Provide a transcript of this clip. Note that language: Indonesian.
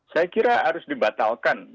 saya kira harus dibatalkan